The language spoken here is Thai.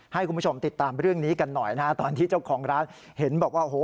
ให้คุณผู้ชมติดตามเรื่องนี้กันหน่อยนะฮะตอนที่เจ้าของร้านเห็นบอกว่าโอ้โห